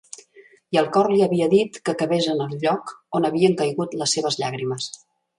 I el cor li havia dit que cavés en el lloc on havien caigut les seves llàgrimes.